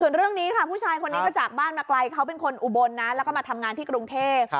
ส่วนเรื่องนี้ค่ะผู้ชายคนนี้ก็จากบ้านมาไกลเขาเป็นคนอุบลนะแล้วก็มาทำงานที่กรุงเทพ